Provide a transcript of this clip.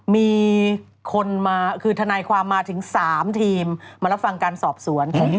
มีคนมาคือทนายความมาถึง๓ทีมมารับฟังการสอบสวน